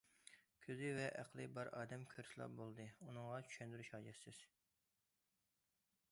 كۆزى ۋە ئەقلى بار ئادەم كۆرسىلا بولدى، ئۇنىڭغا چۈشەندۈرۈش ھاجەتسىز.